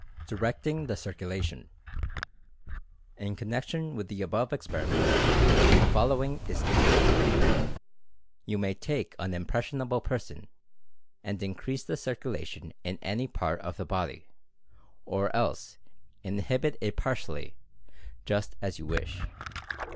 DIRECTING THE CIRCULATION. In connection with the above experiments, the fol lowing is interesting. You may take an impression able person, and increase the circulation in any part of the body, or else inhibit it partially, just as you wish.